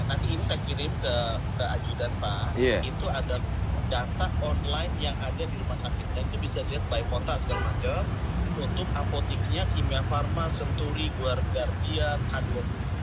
nanti ini saya kirim ke ajudan pak